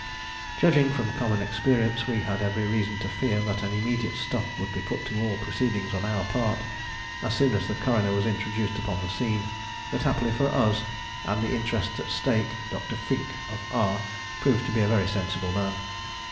Judging from common experience, we had every reason to fear that an immediate stop would be put to all proceedings on our part, as soon as the coroner was introduced upon the scene. But happily for us and the interest at stake, Dr. Fink, of R , proved to be a very sensible man.